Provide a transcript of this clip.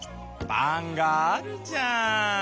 パンがあるじゃん。